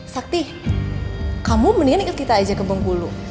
sakti kamu mendingan ikut kita aja ke bengkulu